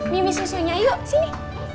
mimi susunya yuk sini